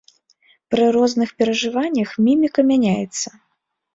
Пры розных перажываннях міміка мяняецца.